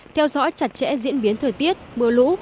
theo dõi chặt chẽ diễn biến thời tiết mưa lũ